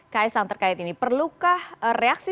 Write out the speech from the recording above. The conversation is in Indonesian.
kaisang terkait ini perlukah reaksi